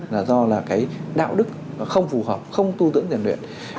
là do là cái đạo đức nó không phù hợp không tu dưỡng rèn luyện